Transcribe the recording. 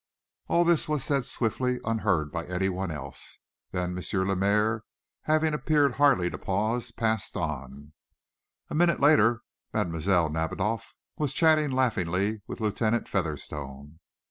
All this was said swiftly, unheard by anyone else. Then M. Lemaire, having appeared hardly to pause, passed on. A minute later Mademoiselle Nadiboff was chatting laughingly with Lieutenant Featherstone.